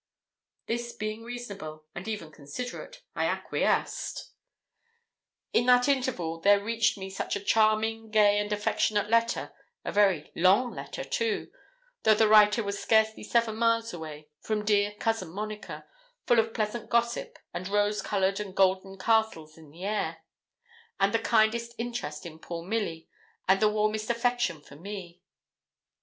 This being reasonable, and even considerate, I acquiesced. In that interval there reached me such a charming, gay, and affectionate letter a very long letter, too though the writer was scarcely seven miles away, from dear Cousin Monica, full of pleasant gossip, and rose coloured and golden castles in the air, and the kindest interest in poor Milly, and the warmest affection for me.